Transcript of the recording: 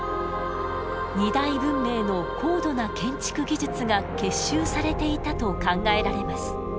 二大文明の高度な建築技術が結集されていたと考えられます。